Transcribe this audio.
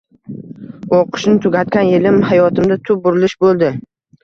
O`qishni tugatgan yilim hayotimda tub burilish bo`ldi